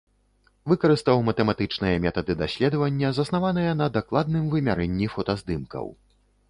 Выкарыстаў матэматычныя метады даследавання, заснаваныя на дакладным вымярэнні фотаздымкаў.